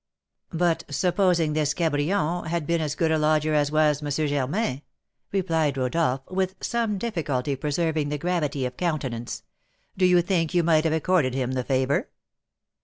"But, supposing this Cabrion had been as good a lodger as was M. Germain," replied Rodolph, with some difficulty preserving the gravity of countenance, "do you think you might have accorded him the favour?"